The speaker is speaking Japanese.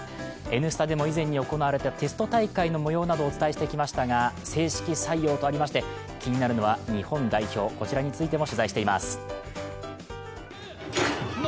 「Ｎスタ」でも以前行われたテスト大会の模様などをお伝えしてきましたが、正式採用となりまして気になるのは日本代表、こちらについても取材しております。